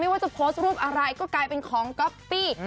ว่าจะโพสต์รูปอะไรก็กลายเป็นของก๊อปปี้